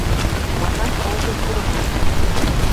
Махань ылде курымат.